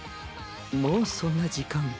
もうそんな時間？